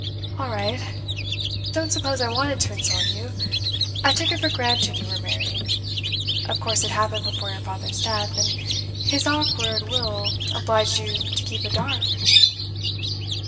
'. 'All right. Don't suppose I wanted to insult you. I took it for granted you were married. Of course it happened before your father's death, and his awkward will obliged you to keep it dark?